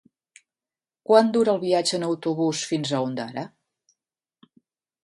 Quant dura el viatge en autobús fins a Ondara?